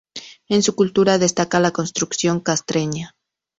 En su cultura destaca la construcción castreña.